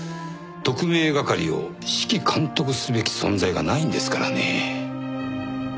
特命係を指揮監督すべき存在がないんですからね。